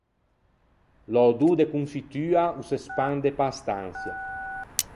L’ödô de confittua o se spande pe-a stançia.